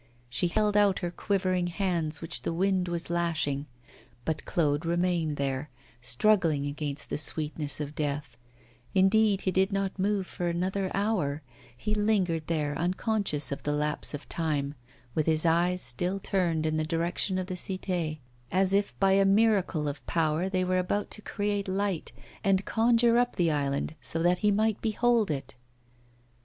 She held out her quivering hands which the wind was lashing. But Claude remained there, struggling against the sweetness of death; indeed he did not move for another hour, he lingered there unconscious of the lapse of time, with his eyes still turned in the direction of the Cité, as if by a miracle of power they were about to create light, and conjure up the island so that he might behold it.